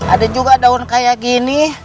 ada juga daun kayak gini